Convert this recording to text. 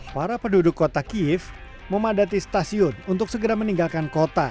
para penduduk kota kiev memadati stasiun untuk segera meninggalkan kota